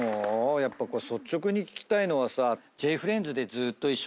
やっぱ率直に聞きたいのはさ。